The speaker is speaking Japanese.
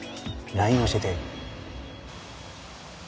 ＬＩＮＥ 教えてよ